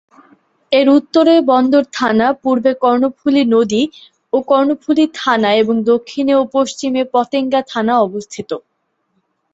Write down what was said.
এর উত্তরে বন্দর থানা, পূর্বে কর্ণফুলী নদী ও কর্ণফুলী থানা এবং দক্ষিণে ও পশ্চিমে পতেঙ্গা থানা অবস্থিত।